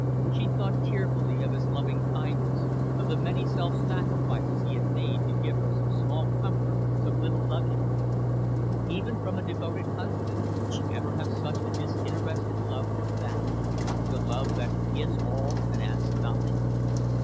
She thought tearfully of his loving kindness, of the many self sacrifices he had made to give her some small comfort, some little luxury. Even from a devoted husband, would she ever have such a disinterested love as that? the love that gives all and asks nothing.